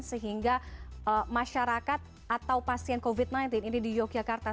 sehingga masyarakat atau pasien covid sembilan belas ini di yogyakarta